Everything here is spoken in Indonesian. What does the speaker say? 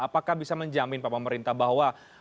apakah bisa menjamin pak pemerintah bahwa